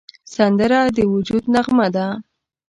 سندره د وجد نغمه ده